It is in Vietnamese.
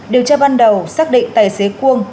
điều tra ban đầu xác định tài xế cuông